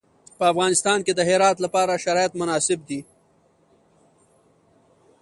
په افغانستان کې د هرات لپاره شرایط مناسب دي.